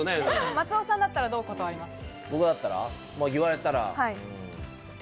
松尾さんだったら、どう断りますか？